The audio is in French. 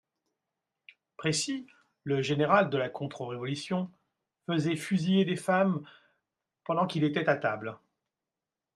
Précy, le général de la contre-révolution, faisait fusiller des femmes pendant qu'il était à table.